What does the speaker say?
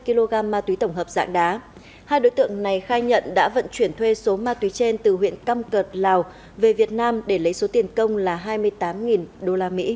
hai kg ma túy tổng hợp dạng đá hai đối tượng này khai nhận đã vận chuyển thuê số ma túy trên từ huyện căm cợt lào về việt nam để lấy số tiền công là hai mươi tám usd